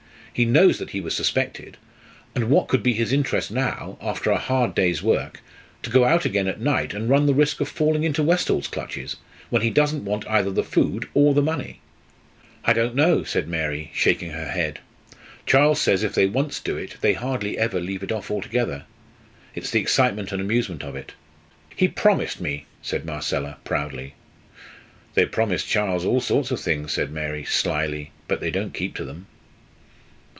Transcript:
He knows that he was suspected; and what could be his interest now, after a hard day's work, to go out again at night, and run the risk of falling into Westall's clutches, when he doesn't want either the food or the money?" "I don't know," said Mary, shaking her head. "Charles says, if they once do it, they hardly ever leave it off altogether. It's the excitement and amusement of it." "He promised me," said Marcella, proudly. "They promise Charles all sorts of things," said Mary, slyly; "but they don't keep to them."